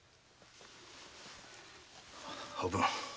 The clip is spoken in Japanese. おぶん。